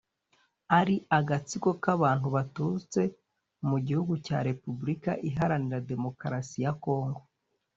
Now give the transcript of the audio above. ari agatsiko k’abantu baturutse mu gihugu cya Repubulika iharanira Demokarasi ya Congo